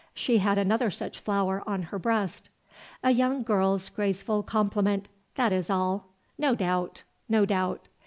She had another such flower on her breast. A young girl's graceful compliment, that is all, no doubt, no doubt.